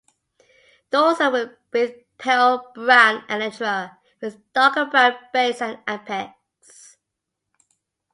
Dorsum with pale brown elytra with darker brown base and apex.